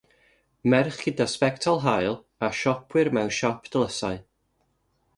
Merch gyda sbectol haul a siopwyr mewn siop dlysau.